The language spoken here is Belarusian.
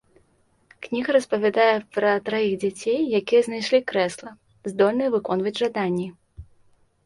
Кніга распавядае пра траіх дзяцей, якія знайшлі крэсла, здольнае выконваць жаданні.